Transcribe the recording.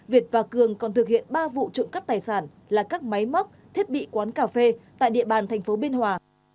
việt và cường còn thực hiện ba vụ trộm cắp tài sản là các máy móc thiết bị quán cà phê tại địa bàn thành phố biên hòa